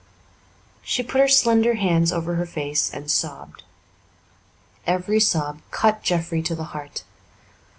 She put her slender hands over her face and sobbed. Every sob cut Jeffrey to the heart.